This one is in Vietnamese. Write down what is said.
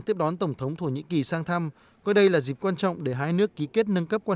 tiếp đón tổng thống thổ nhĩ kỳ sang thăm coi đây là dịp quan trọng để hai nước ký kết nâng cấp quan